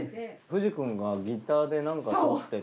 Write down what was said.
藤くんがギターで何かとってて。